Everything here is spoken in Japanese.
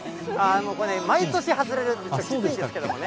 これね、毎年外れるんですよ、きついですけどね。